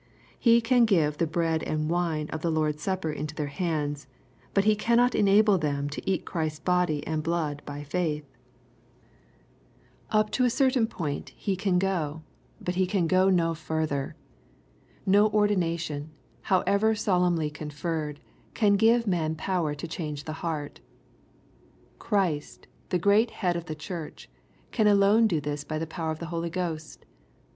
He can give the bread and wine of the Lord's Supper into their hands, but he cannot enable them to eat Christ's body and blood by faith. Up to a certain LrKK^ CHAP. in. 97 point lie can go^ but he can go no further. No ordina* tion, however solemnly conferred, can give man power to change the heart. Christ, the great Head of the Church, can alone do this by the power of the Holy Ghost.